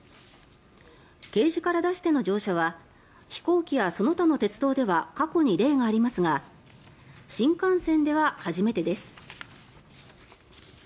ケージから出しての乗車は飛行機やその他の鉄道では過去に例がありますが新幹線では初めてです。